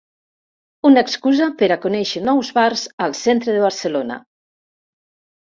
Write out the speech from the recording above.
Una excusa per a conèixer nous bars al centre de Barcelona.